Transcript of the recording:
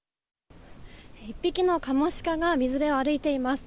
１匹のカモシカが水辺を歩いています。